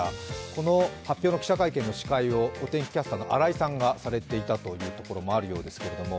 この発表の記者会見の司会をお天気キャスターの新井さんがされていたというところもあるようですけれども。